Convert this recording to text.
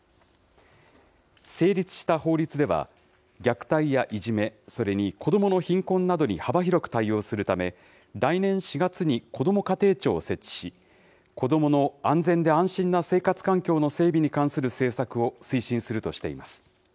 成立した法律では、虐待やいじめ、それに子どもの貧困などに幅広く対応するため、来年４月にこども家庭庁を設置し、子どもの安全で安心な生活環境の整備に関する政策を推進するとしています。